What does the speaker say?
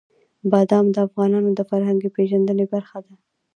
بادام د افغانانو د فرهنګي پیژندنې برخه ده.